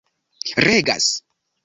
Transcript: regas